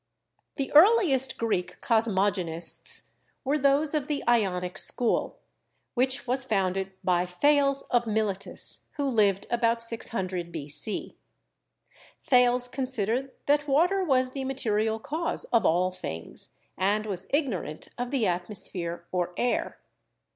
The earliest Greek cosmogonists were those of the Ionic school, which was founded by Thales of Miletus, who lived about 600 B.C. Thales considered that water was the ma terial cause of all things, and was ignorant of the atmos phere or air.